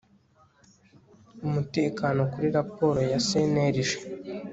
Umutekano kuri raporo ya CNLG